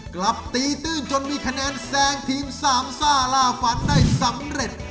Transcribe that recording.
กลับตีตื้นจนมีคะแนนแซงทีมสามซ่าล่าฝันได้สำเร็จ